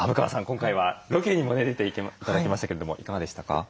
今回はロケにも出て頂きましたけれどもいかがでしたか？